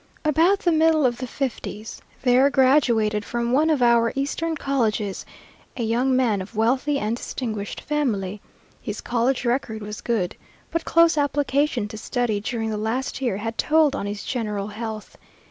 About the middle of the fifties, there graduated from one of our Eastern colleges a young man of wealthy and distinguished family. His college record was good, but close application to study during the last year had told on his general health.